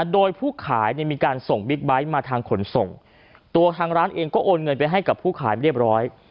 โดยผู้ขายเนี่ยมีการส่งบิ๊กไบท์มาทางขนส่งตัวทางร้านเองก็โอนเงินไปให้กับผู้ขายเรียบร้อย